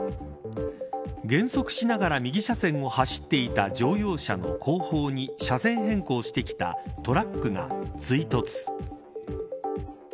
減速しながら右車線を走っていた乗用車の後方に車線変更してきたトラックが追突。